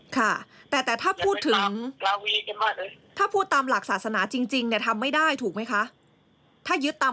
บวชแล้วก็จะมาชวนคนของพระสรช่วงบวชอีกอย่างเยอะ